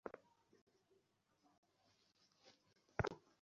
জ্বালানি সাশ্রয়ের জন্য তিনি বিদ্যুৎসাশ্রয়ী এলইডি বাল্ব ব্যবহারসহ কিছু পরামর্শ দেন।